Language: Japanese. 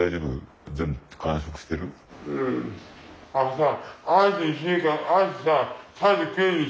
あのさ。